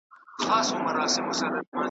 تا ویل د بنده ګانو نګهبان یم .